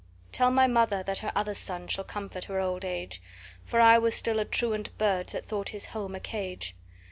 "Tell my mother that her other son shall comfort her old age; For I was still a truant bird, that thought his home a cage.